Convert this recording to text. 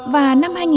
và năm hai nghìn ba